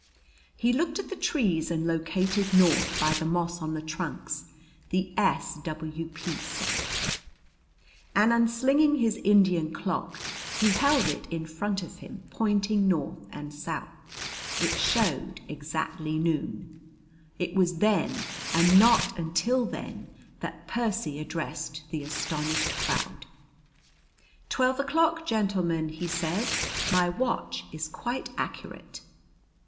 He looked at the trees, and located north by the moss on the trunks, the S. W.P. said, and unslinging his Indian clock he held it in front of him, pointing north and south. It showed exactly noon. It was then, and not until then, that Percy addressed the astonished crowd. "Twelve o'clock, gentlemen," he said. "My watch is quite accurate."